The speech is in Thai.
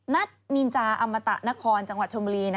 นินจาอมตะนครจังหวัดชมบุรี